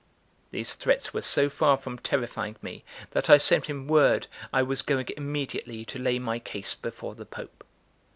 These threats were so far from terrifying me, that I sent him word I was going immediately to lay my case before the Pope.